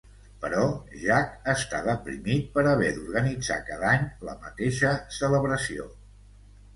Però Jack està deprimit per haver d'organitzar cada any la mateixa celebració.